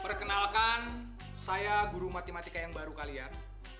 perkenalkan saya guru matematika yang baru kalian